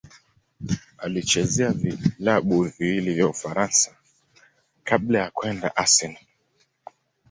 Alichezea vilabu viwili vya Ufaransa kabla ya kwenda Arsenal.